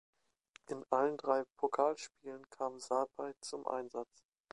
In allen drei Pokalspielen kam Sarpei zum Einsatz.